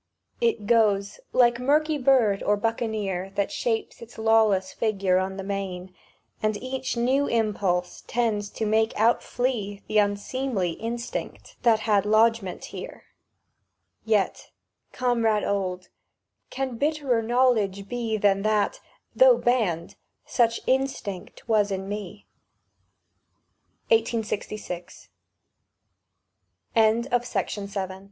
It goes, like murky bird or buccaneer That shapes its lawless figure on the main, And each new impulse tends to make outflee The unseemly instinct that had lodgment here; Yet, comrade old, can bitterer knowledge be Than that, though banned, such instinct was in me! 1866. NEUTRAL TONES WE stood